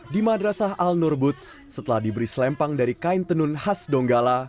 di madrasah al nurbuds setelah diberi selempang dari kain tenun khas donggala